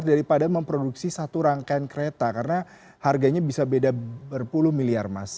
daripada memproduksi satu rangkaian kereta karena harganya bisa beda berpuluh miliar mas